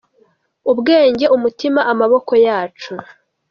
Ubwenge, umutima, amaboko yacu